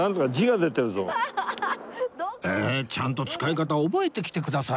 えちゃんと使い方覚えてきてくださいよ